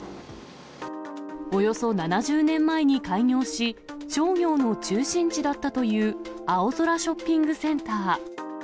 およそ７０年前に開業し、商業の中心地だったという青空ショッピングセンター。